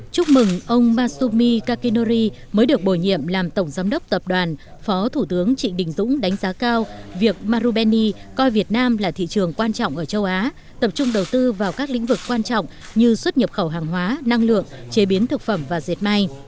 chúc mừng ông masumi kakinori mới được bổ nhiệm làm tổng giám đốc tập đoàn phó thủ tướng trịnh đình dũng đánh giá cao việc marubeni coi việt nam là thị trường quan trọng ở châu á tập trung đầu tư vào các lĩnh vực quan trọng như xuất nhập khẩu hàng hóa năng lượng chế biến thực phẩm và dệt may